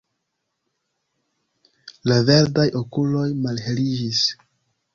La verdaj okuloj malheliĝis.